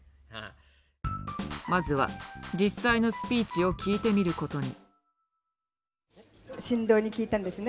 まずは実際のスピーチを聞いてみることに。